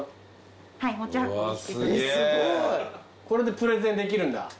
これでプレゼンできるんだ。